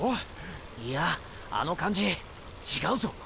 いやあの感じ違うぞ！